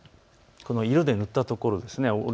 色で塗ったところです。